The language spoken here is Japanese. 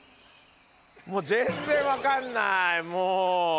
もう全然分かんないもう。